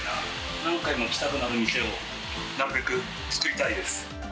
何回も来たくなる店をなるべく作りたいです。